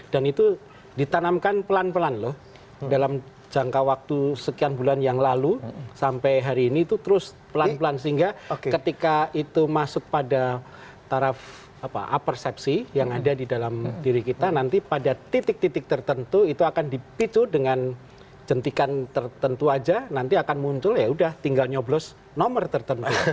dan itu ditanamkan pelan pelan loh dalam jangka waktu sekian bulan yang lalu sampai hari ini itu terus pelan pelan sehingga ketika itu masuk pada taraf apa apersepsi yang ada di dalam diri kita nanti pada titik titik tertentu itu akan dipicu dengan jentikan tertentu aja nanti akan muncul yaudah tinggal nyoblos nomor tertentu